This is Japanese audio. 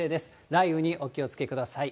雷雨にお気をつけください。